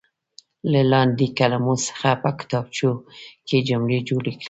له لاندې کلمو څخه په کتابچو کې جملې جوړې کړئ.